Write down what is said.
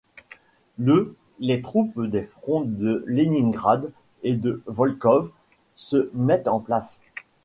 Le les troupes des fronts de Léningrad et de Volkhov se mettent en place.